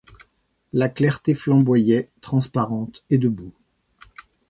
La clarté flamboyait, transparente et debout.